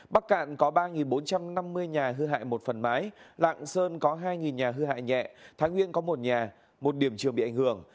bắc cạn có ba bốn trăm năm mươi nhà hư hại một phần mái lạng sơn có hai nhà hư hại nhẹ thái nguyên có một nhà một điểm trường bị ảnh hưởng